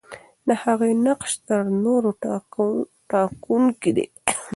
د هغې نقش تر نورو ټاکونکی دی.